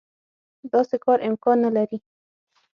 داسې کار امکان نه لري.